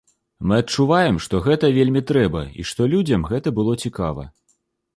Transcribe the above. Мы адчуваем, што гэта вельмі трэба, і што людзям гэта было цікава.